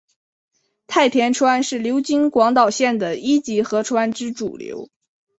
太田川是流经广岛县的一级河川之主流。